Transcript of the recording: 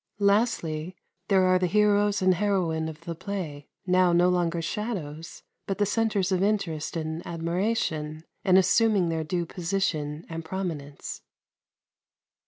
Lastly, there are the heroes and heroine of the play, now no longer shadows, but the centres of interest and admiration, and assuming their due position and prominence.